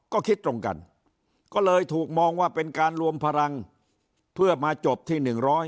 ก็คิดตรงกันก็เลยถูกมองว่าเป็นการรวมพลังเพื่อมาจบที่๑๕